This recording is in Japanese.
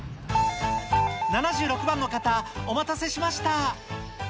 ７６番の方、お待たせしました。